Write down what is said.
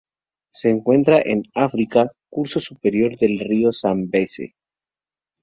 Se encuentran en África: curso superior del río Zambeze.